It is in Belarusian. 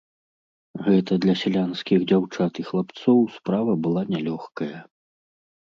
Гэта для сялянскіх дзяўчат і хлапцоў справа была нялёгкая.